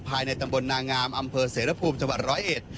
ภายในตำบลนางามอำเภอเสรภูมิจังหวัดร้อยเอ็ด